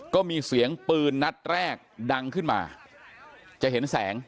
ก็มีเสียงปืนนัดแรกดังขึ้นมาจะเห็นแสง